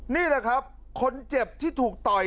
นี่แหละครับคนเจ็บที่ถูกต่อย